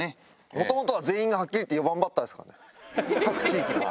もともとは全員がはっきり言って４番バッターですから各地域が。